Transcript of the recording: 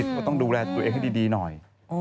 ก็ต้องดูแลตัวเองให้ดีหน่อย